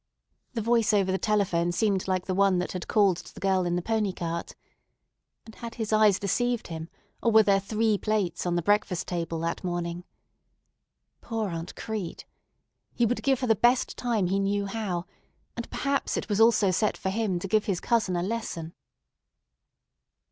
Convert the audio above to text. The voice over the telephone seemed like the one that had called to the girl in the pony cart. And had his eyes deceived him, or were there three plates on the breakfast table that morning? Poor Aunt Crete! He would give her the best time he knew how, and perhaps it was also set for him to give his cousin a lesson.